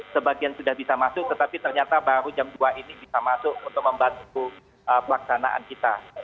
sebagian sudah bisa masuk tetapi ternyata baru jam dua ini bisa masuk untuk membantu pelaksanaan kita